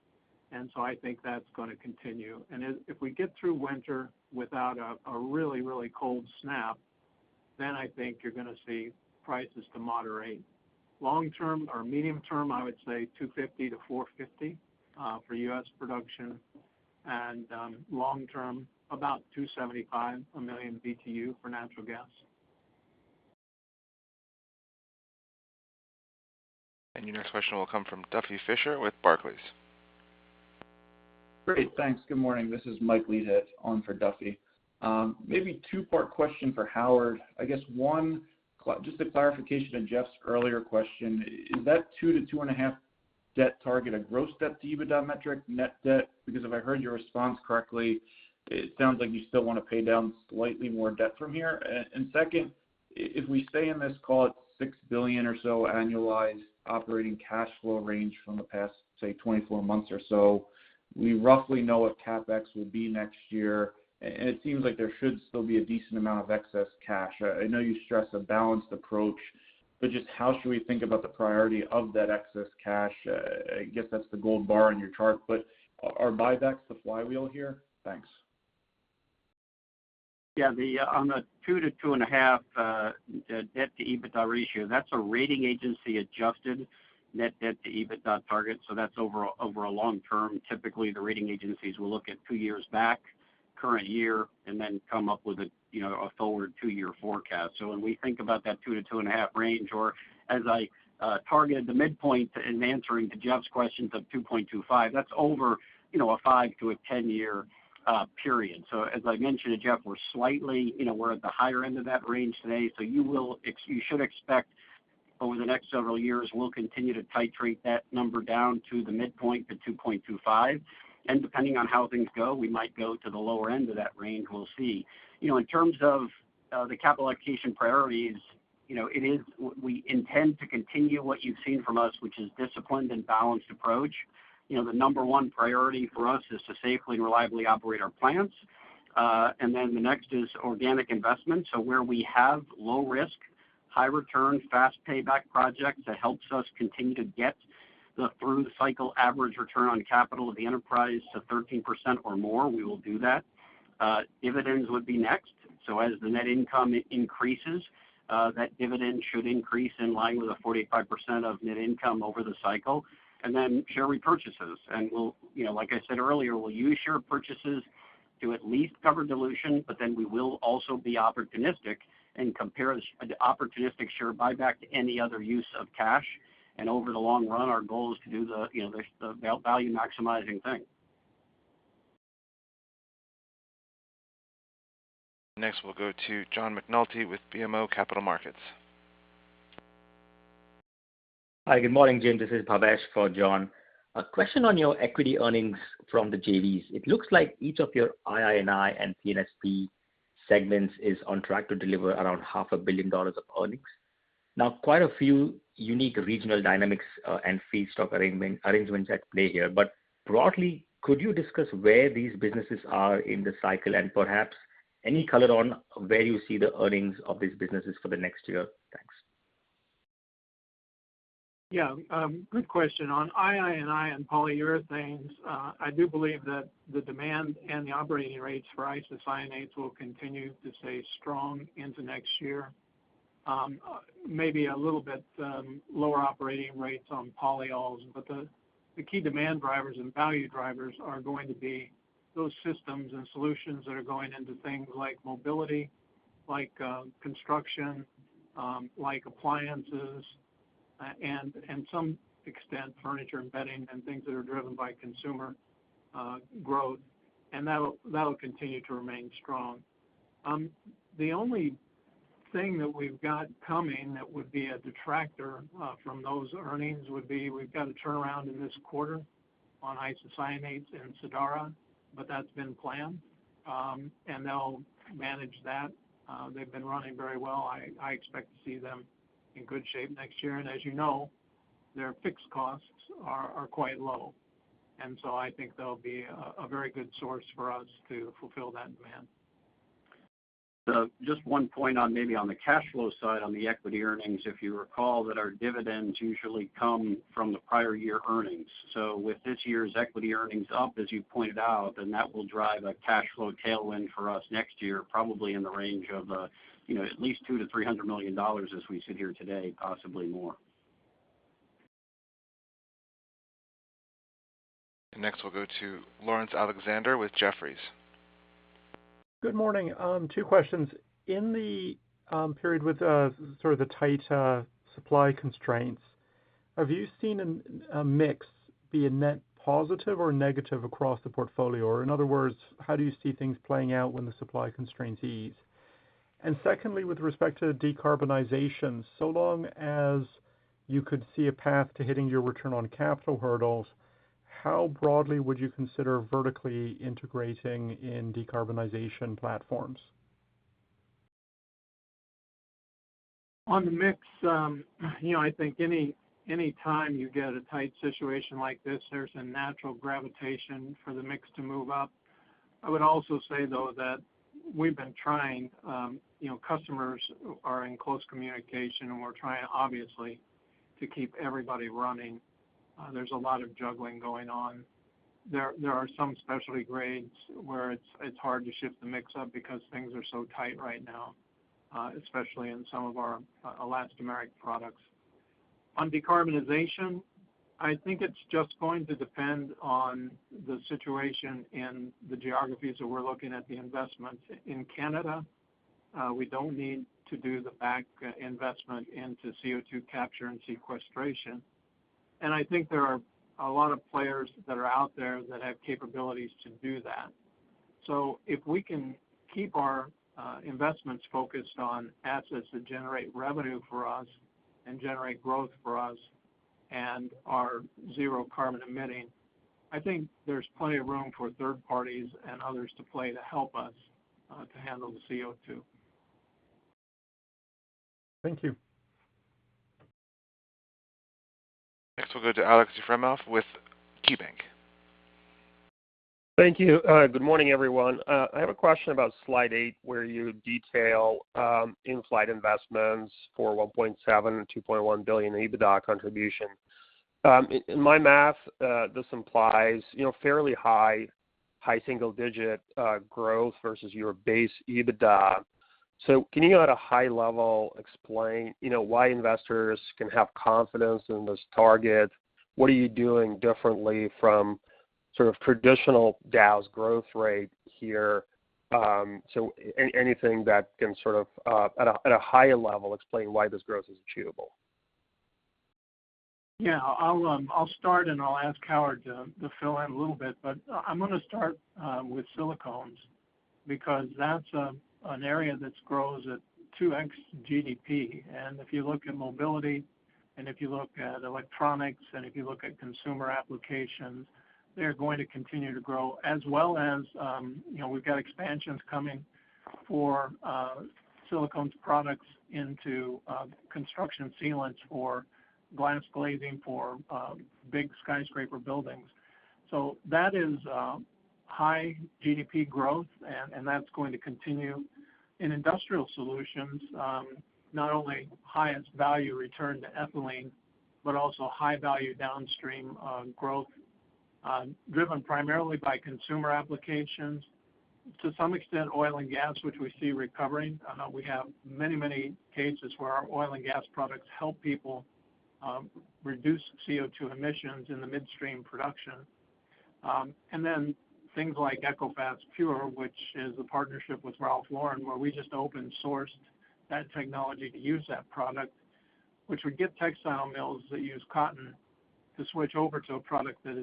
I think that's going to continue. If we get through winter without a really cold snap, I think you're going to see prices to moderate. Long term or medium term, I would say $250-$450 for U.S. production and long term, about $275 a million BTU for natural gas. Your next question will come from Duffy Fischer with Barclays. Great. Thanks. Good morning. This is Mike Leithead on for Duffy. Maybe two-part question for Howard. I guess one, just a clarification to Jeff's earlier question. Is that 2x-2.5x debt target a gross debt to EBITDA metric net debt? Because if I heard your response correctly, it sounds like you still want to pay down slightly more debt from here. Second, if we stay in this, call it $6 billion or so annualized operating cash flow range from the past, say, 24 months or so, we roughly know what CapEx would be next year, and it seems like there should still be a decent amount of excess cash. I know you stress a balanced approach, but just how should we think about the priority of that excess cash? I guess that's the gold bar on your chart, but are buybacks the flywheel here? Thanks. Yeah. On the 2x-2.5x debt to EBITDA ratio, that's a rating agency adjusted net debt to EBITDA target. That's over a long term. Typically, the rating agencies will look at two years back, current year, and then come up with a forward two-year forecast. When we think about that 2x-2.5x range, or as I targeted the midpoint in answering to Jeff's questions of 2.25x, that's over a five to a 10-year period. As I mentioned to Jeff, we're at the higher end of that range today. You should expect over the next several years, we'll continue to titrate that number down to the midpoint to 2.25x. Depending on how things go, we might go to the lower end of that range. We'll see. In terms of the capital allocation priorities, we intend to continue what you've seen from us, which is disciplined and balanced approach. The number one priority for us is to safely and reliably operate our plants. The next is organic investment. Where we have low risk, high return, fast payback projects that helps us continue to get through the cycle average return on capital of the enterprise to 13% or more, we will do that. Dividends would be next. As the net income increases, that dividend should increase in line with the 45% of net income over the cycle, and then share repurchases. Like I said earlier, we'll use share purchases to at least cover dilution, but then we will also be opportunistic and compare the opportunistic share buyback to any other use of cash. Over the long run, our goal is to do the value maximizing thing. Next, we'll go to John McNulty with BMO Capital Markets. Hi, good morning, Jim. This is Bhavesh for John. A question on your equity earnings from the JVs. It looks like each of your II&I and P&SP segments is on track to deliver around $500 million of earnings. Now, quite a few unique regional dynamics and feedstock arrangements at play here, but broadly, could you discuss where these businesses are in the cycle and perhaps any color on where you see the earnings of these businesses for the next year? Thanks. Yeah. Good question. On II&I and polyurethanes, I do believe that the demand and the operating rates for isocyanates will continue to stay strong into next year. Maybe a little bit lower operating rates on polyols, but the key demand drivers and value drivers are going to be those systems and solutions that are going into things like mobility, like construction, like appliances, and some extent, furniture and bedding and things that are driven by consumer growth, and that'll continue to remain strong. The only thing that we've got coming that would be a detractor from those earnings would be we've got a turnaround in this quarter on isocyanates and Sadara. That's been planned. They'll manage that. They've been running very well. I expect to see them in good shape next year. As you know, their fixed costs are quite low. I think they'll be a very good source for us to fulfill that demand. Just one point on maybe on the cash flow side on the equity earnings. If you recall that our dividends usually come from the prior year earnings. With this year's equity earnings up as you pointed out, that will drive a cash flow tailwind for us next year, probably in the range of at least $200 million-$300 million as we sit here today, possibly more. Next, we'll go to Laurence Alexander with Jefferies. Good morning. Two questions. In the period with sort of the tight supply constraints, have you seen a mix be a net positive or negative across the portfolio? Or in other words, how do you see things playing out when the supply constraints ease? Secondly, with respect to decarbonization, so long as you could see a path to hitting your return on capital hurdles, how broadly would you consider vertically integrating in decarbonization platforms? On the mix, I think anytime you get a tight situation like this, there's a natural gravitation for the mix to move up. I would also say, though, that we've been trying. Customers are in close communication, and we're trying, obviously, to keep everybody running. There's a lot of juggling going on. There are some specialty grades where it's hard to shift the mix up because things are so tight right now, especially in some of our elastomeric products. On decarbonization, I think it's just going to depend on the situation in the geographies that we're looking at the investments. In Canada, we don't need to do the back investment into CO2 capture and sequestration. I think there are a lot of players that are out there that have capabilities to do that. If we can keep our investments focused on assets that generate revenue for us and generate growth for us. Our zero carbon emitting. I think there's plenty of room for third parties and others to play to help us to handle the CO2. Thank you. Next we'll go to Aleksey Yefremov with KeyBanc. Thank you. Good morning, everyone. I have a question about slide eight, where you detail in-flight investments for $1.7 billion and $2.1 billion EBITDA contribution. In my math, this implies fairly high single-digit growth versus your base EBITDA. Can you at a high level explain why investors can have confidence in those targets? What are you doing differently from traditional Dow's growth rate here? Anything that can sort of, at a higher level, explain why this growth is achievable. Yeah, I'll start and I'll ask Howard to fill in a little bit, but I'm going to start with silicones, because that's an area that grows at 2x GDP. If you look at mobility and if you look at electronics and if you look at consumer applications, they're going to continue to grow as well as we've got expansions coming for silicones products into construction sealants for glass glazing for big skyscraper buildings. That is high GDP growth, and that's going to continue. In Industrial Solutions, not only highest value return to ethylene, but also high-value downstream growth driven primarily by consumer applications. To some extent, oil and gas, which we see recovering. We have many, many cases where our oil and gas products help people reduce CO2 emissions in the midstream production. Things like ECOFAST Pure, which is a partnership with Ralph Lauren, where we just open sourced that technology to use that product, which would get textile mills that use cotton to switch over to a product that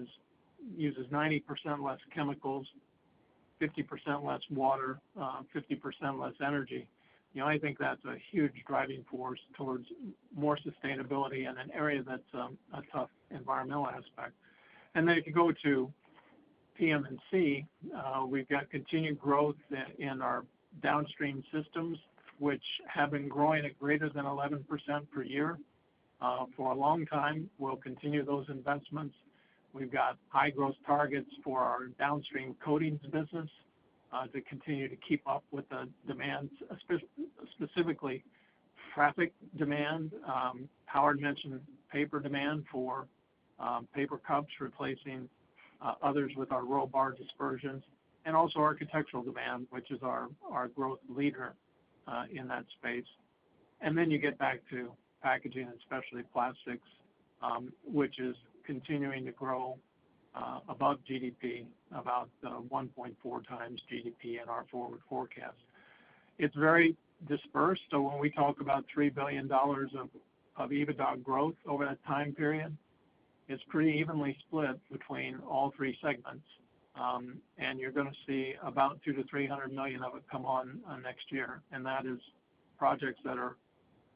uses 90% less chemicals, 50% less water, 50% less energy. I think that's a huge driving force towards more sustainability in an area that's a tough environmental aspect. If you go to PM&C, we've got continued growth in our downstream systems, which have been growing at greater than 11% per year for a long time. We'll continue those investments. We've got high-growth targets for our downstream coatings business to continue to keep up with the demands, specifically traffic demand. Howard mentioned paper demand for paper cups, replacing others with our RHOBARR dispersions, and also architectural demand, which is our growth leader in that space. You get back to Packaging & Specialty Plastics, which is continuing to grow above GDP, about 1.4x GDP in our forward forecast. It's very dispersed, so when we talk about $3 billion of EBITDA growth over that time period, it's pretty evenly split between all three segments. You're going to see about $200 million-$300 million of it come on next year, and that is projects that are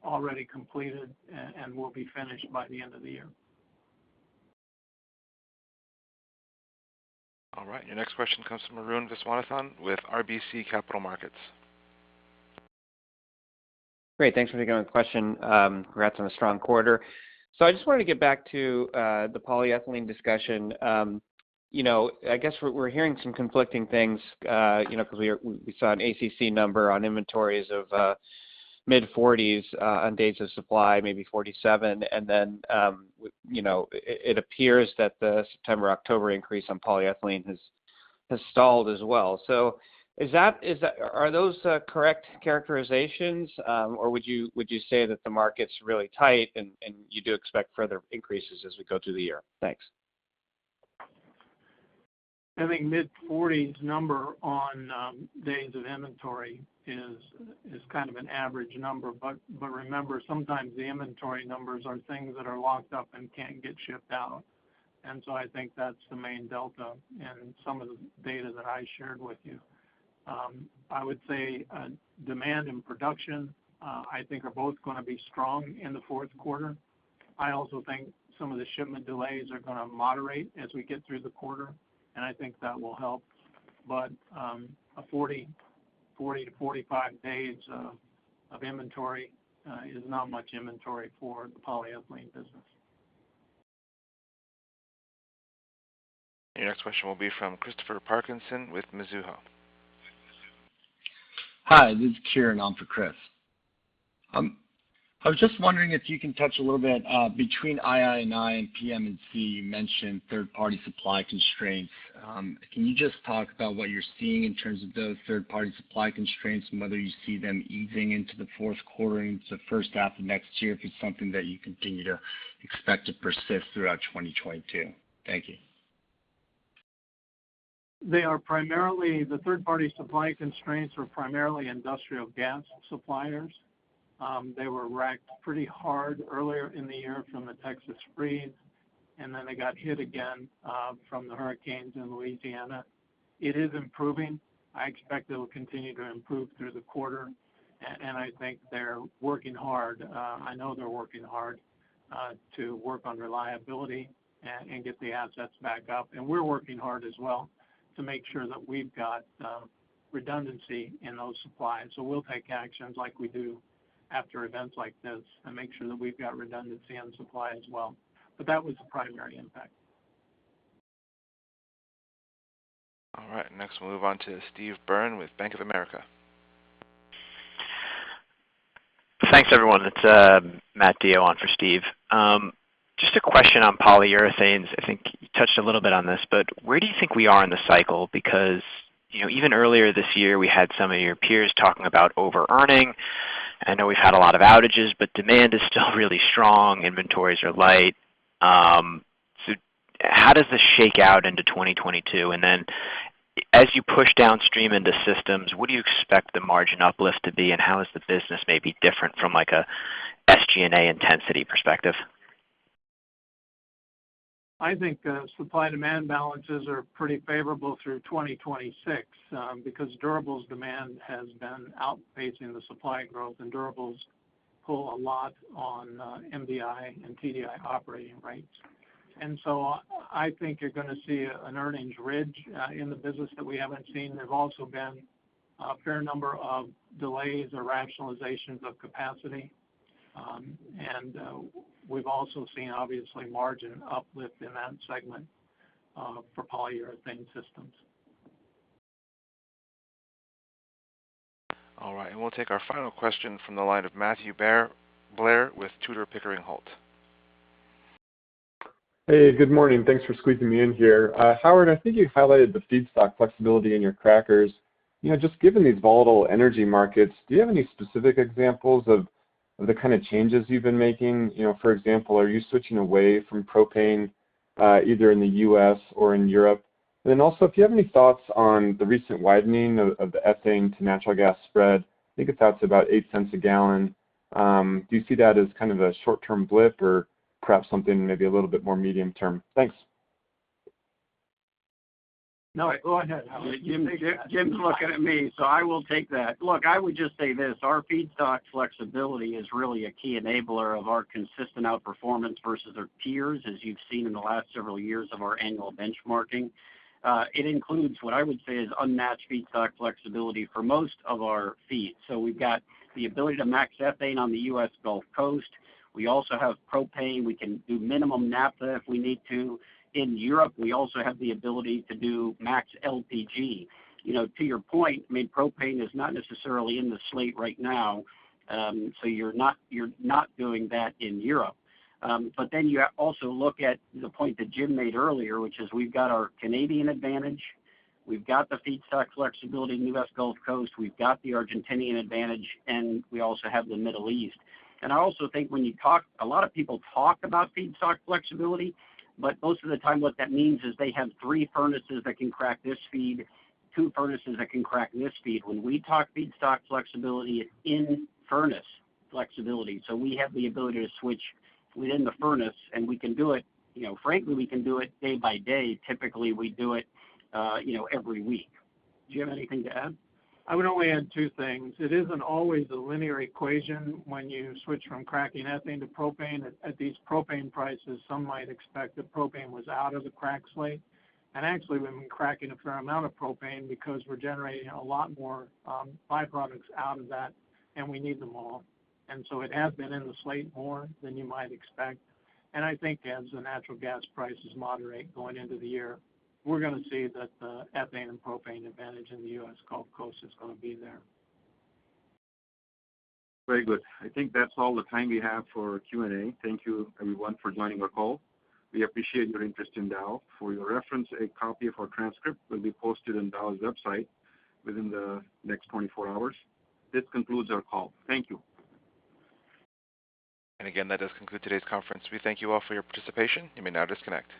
already completed and will be finished by the end of the year. All right. Your next question comes from Arun Viswanathan with RBC Capital Markets. Great. Thanks for taking my question. Congrats on a strong quarter. I just wanted to get back to the polyethylene discussion. I guess we're hearing some conflicting things, because we saw an ACC number on inventories of mid-40s on days of supply, maybe 47, and then it appears that the September-October increase on polyethylene has stalled as well. Are those correct characterizations? Would you say that the market's really tight and you do expect further increases as we go through the year? Thanks. I think mid-40s number on days of inventory is kind of an average number. Remember, sometimes the inventory numbers are things that are locked up and can't get shipped out. I think that's the main delta in some of the data that I shared with you. I would say demand and production, I think are both going to be strong in the fourth quarter. I also think some of the shipment delays are going to moderate as we get through the quarter, and I think that will help. A 40 days-45 days of inventory is not much inventory for the polyethylene business. Your next question will be from Christopher Parkinson with Mizuho. Hi, this is Kieran on for Chris. I was just wondering if you can touch a little bit between II&I and PM&C, you mentioned third-party supply constraints. Can you just talk about what you're seeing in terms of those third-party supply constraints and whether you see them easing into the fourth quarter into first half of next year? If it's something that you continue to expect to persist throughout 2022. Thank you. They are primarily, the third-party supply constraints were primarily industrial gas suppliers. They were racked pretty hard earlier in the year from the Texas freeze. They got hit again from the hurricanes in Louisiana. It is improving. I expect it'll continue to improve through the quarter. I think they're working hard. I know they're working hard to work on reliability and get the assets back up. We're working hard as well to make sure that we've got redundancy in those supplies. We'll take actions like we do after events like this and make sure that we've got redundancy on supply as well. That was the primary impact. All right. Next, we'll move on to Steve Byrne with Bank of America. Thanks, everyone. It's Matt DeYoe on for Steve. Just a question on polyurethanes. I think you touched a little bit on this, but where do you think we are in the cycle? Because even earlier this year, we had some of your peers talking about over-earning. I know we've had a lot of outages, but demand is still really strong. Inventories are light. How does this shake out into 2022? As you push downstream into systems, what do you expect the margin uplift to be, and how is the business maybe different from a SG&A intensity perspective? I think supply-demand balances are pretty favorable through 2026 because durables demand has been outpacing the supply growth, and durables pull a lot on MDI and TDI operating rates. I think you're going to see an earnings ridge in the business that we haven't seen. There's also been a fair number of delays or rationalizations of capacity. We've also seen, obviously, margin uplift in that segment for polyurethane systems. All right. We'll take our final question from the line of Matthew Blair with Tudor, Pickering, Holt & Co. Hey, good morning. Thanks for squeezing me in here. Howard, I think you highlighted the feedstock flexibility in your crackers. Just given these volatile energy markets, do you have any specific examples of the kind of changes you've been making? For example, are you switching away from propane either in the U.S. or in Europe? Also, if you have any thoughts on the recent widening of the ethane to natural gas spread, I think it's out to about $0.08 a gallon. Do you see that as kind of a short-term blip or perhaps something maybe a little bit more medium term? Thanks. No. Go ahead, Howard. Jim's looking at me, so I will take that. I would just say this. Our feedstock flexibility is really a key enabler of our consistent outperformance versus our peers, as you've seen in the last several years of our annual benchmarking. It includes what I would say is unmatched feedstock flexibility for most of our feeds. We've got the ability to max ethane on the U.S. Gulf Coast. We also have propane. We can do minimum naphtha if we need to. In Europe, we also have the ability to do max LPG. To your point, propane is not necessarily in the slate right now, so you're not doing that in Europe. You also look at the point that Jim made earlier, which is we've got our Canadian advantage, we've got the feedstock flexibility in the U.S. Gulf Coast, we've got the Argentinian advantage, and we also have the Middle East. I also think a lot of people talk about feedstock flexibility, but most of the time what that means is they have three furnaces that can crack this feed, two furnaces that can crack this feed. When we talk feedstock flexibility, it's in furnace flexibility. We have the ability to switch within the furnace, and frankly, we can do it day by day. Typically, we do it every week. Do you have anything to add? I would only add two things. It isn't always a linear equation when you switch from cracking ethane to propane. At these propane prices, some might expect that propane was out of the crack slate. Actually, we've been cracking a fair amount of propane because we're generating a lot more byproducts out of that, and we need them all. So it has been in the slate more than you might expect. I think as the natural gas prices moderate going into the year, we're going to see that the ethane and propane advantage in the U.S. Gulf Coast is going to be there. Very good. I think that's all the time we have for Q&A. Thank you everyone for joining our call. We appreciate your interest in Dow. For your reference, a copy of our transcript will be posted on Dow's website within the next 24 hours. This concludes our call. Thank you. Again, that does conclude today's conference. We thank you all for your participation. You may now disconnect.